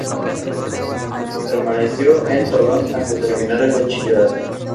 Permaneció en Tolón hasta terminar el bachillerato.